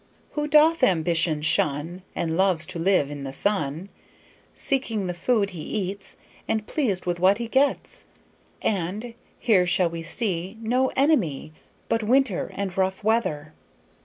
'Who doth ambition shun And loves to live i' the sun, Seeking the food he eats, And pleased with what he gets'; and 'Here shall he see No enemy But winter and rough weather.'